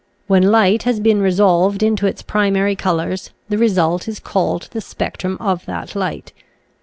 When light has been resolved into its primary colors the result is called the spectrum of that light.